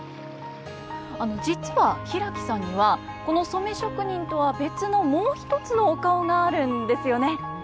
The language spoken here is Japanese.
実は平木さんにはこの染職人とは別のもう一つのお顔があるんですよね。